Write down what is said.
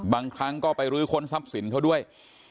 หรือคนทรัพย์สินเท่าด้วย